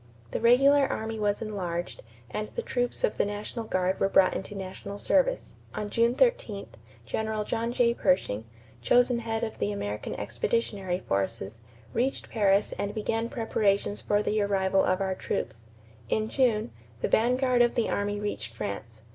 The regular army was enlarged and the troops of the national guard were brought into national service. On June 13, General John J. Pershing, chosen head of the American Expeditionary Forces, reached Paris and began preparations for the arrival of our troops. In June, the vanguard of the army reached France.